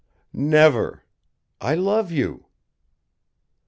"Never. I love you."